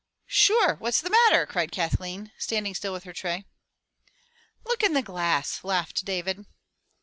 "Sure, what's the matter?" cried Kathleen standing still with her tray. "Look in the glass!" laughed David.